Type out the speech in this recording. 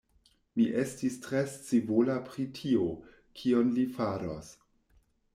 Mi estis tre scivola pri tio, kion li faros.